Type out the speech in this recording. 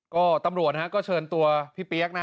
ก็ตำรวจนะฮะก็เชิญตัวพี่เปี๊ยกนะ